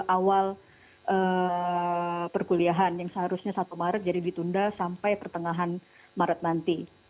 awal perkuliahan yang seharusnya satu maret jadi ditunda sampai pertengahan maret nanti